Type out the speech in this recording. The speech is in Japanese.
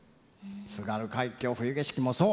「津軽海峡・冬景色」もそう。